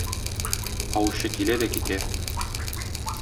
Аучы килә дә китә.